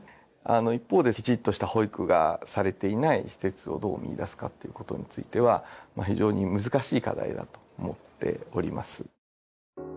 一方できちっとした保育がされていない施設をどう見いだすかということについては非常に難しい課題だと思っております。